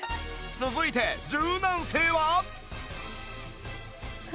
続いて柔軟性は？